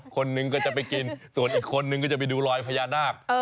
คนนึงก็จะไปกินส่วนอีกคนนึงก็จะไปดูรอยพญานาค